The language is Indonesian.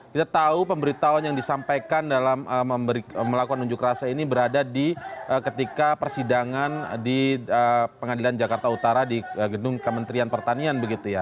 kita tahu pemberitahuan yang disampaikan dalam melakukan unjuk rasa ini berada di ketika persidangan di pengadilan jakarta utara di gedung kementerian pertanian begitu ya